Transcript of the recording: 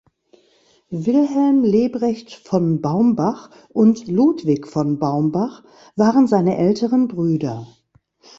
Wilhelm Lebrecht von Baumbach und Ludwig von Baumbach waren seine älteren Brüder.